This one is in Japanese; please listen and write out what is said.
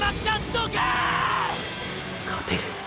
勝てる。